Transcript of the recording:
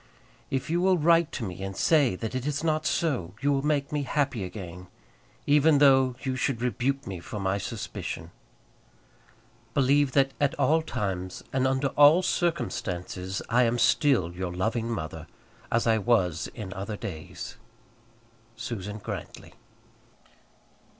If you will write to me and say that it is not so, you will make me happy again, even though you should rebuke me for my suspicion. Believe that at all times, and under all circumstances, I am still your loving mother, as I was in other days. SUSAN GRANTLY.